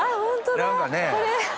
何かね。